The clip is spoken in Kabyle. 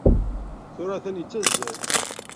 Tura atan yettazzal.